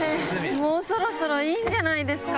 もうそろそろいいんじゃないですか？